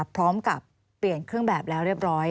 พร้อมกับเปลี่ยนเครื่องแบบแล้วเรียบร้อย